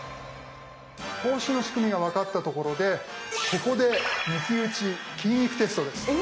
投資の仕組みが分かったところでここで抜き打ち金育テストです。